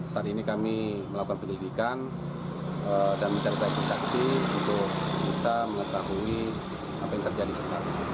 saat ini kami melakukan penyelidikan dan mencari pelaku saksi untuk bisa mengetahui apa yang terjadi sekarang